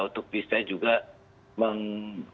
untuk bisa juga meng